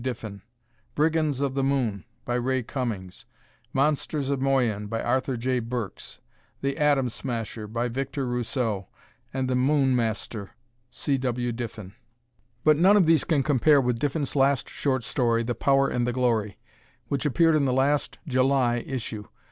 Diffin; "Brigands of the Moon," by Ray Cummings; "Monsters of Moyen," by Arthur J. Burks; "The Atom Smasher," by Victor Rousseau; and "The Moon Master," C. W. Diffin. But none of these can compare with Diffin's last short story, "The Power and the Glory," which appeared in the last (July) issue.